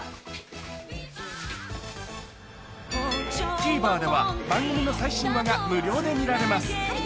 ＴＶｅｒでは番組の最新話が無料で見られます